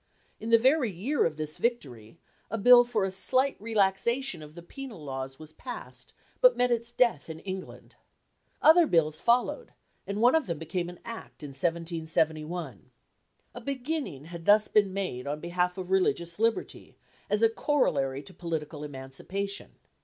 In the very year of this victory, a Bill for a slight relaxation of the penal laws was passed, but met its death in England. Other Bills followed, and one of them became an Act in 1771. A beginning had thus been made on behalf of religious liberty, as a corollary to political emancipation.